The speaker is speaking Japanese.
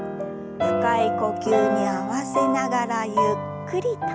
深い呼吸に合わせながらゆっくりと。